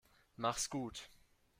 Mach's gut.